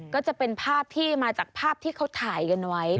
ก็จะเป็นภาพที่มาจากภาพที่เขาถ่ายกันไว้